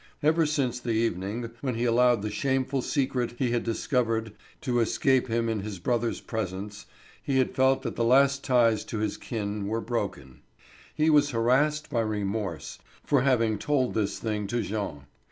Ever since the evening when he allowed the shameful secret he had discovered to escape him in his brother's presence, he had felt that the last ties to his kindred were broken. He was harassed by remorse for having told this thing to Jean.